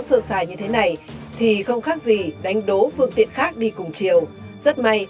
sơ xài như thế này thì không khác gì đánh đố phương tiện khác đi cùng chiều rất may